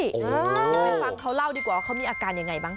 ไปฟังเขาเล่าดีกว่าเขามีอาการยังไงบ้างค่ะ